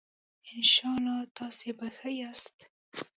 ان شاءاللّه تاسي به ښه سئ